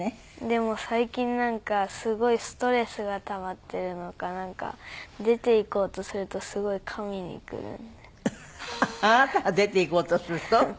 でも最近なんかすごいストレスがたまっているのか出ていこうとするとすごいかみにくるんで。